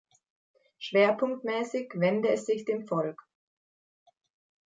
Schwerpunktmäßig wende es sich dem Folk.